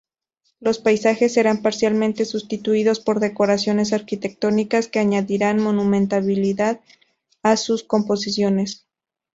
Los paisajes serán parcialmente sustituidos por decoraciones arquitectónicas que añadirán monumentalidad a sus composiciones.